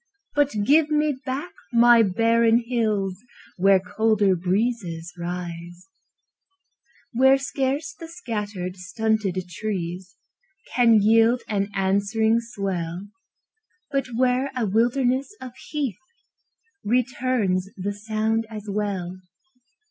But give me back my barren hills Where colder breezes rise; Where scarce the scattered, stunted trees Can yield an answering swell, But where a wilderness of heath Returns the sound as well.